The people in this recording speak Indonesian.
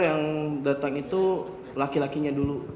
yang datang itu laki lakinya dulu